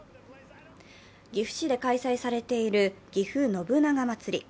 岐阜市で開催されているぎふ信長まつり。